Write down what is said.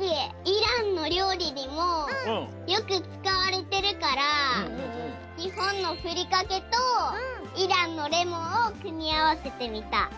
イランのりょうりにもよくつかわれてるからにほんのふりかけとイランのレモンをくみあわせてみた。